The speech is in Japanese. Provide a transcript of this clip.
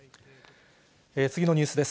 次のニュースです。